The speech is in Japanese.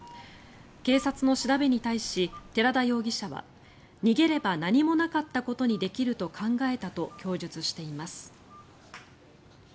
警察の調べに対し寺田容疑者は「逃げれば何もなかったことにできると考えた」と供述しています。